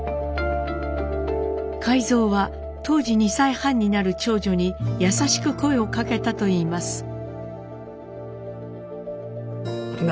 海蔵は当時２歳半になる長女にやさしく声をかけたといいます。